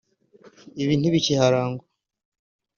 ibi ntibikiharangwa